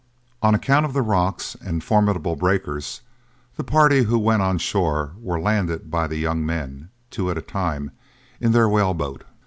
On account of the rocks and formidable breakers, the party who went on shore were landed by the young men, two at a time, in their whale boat.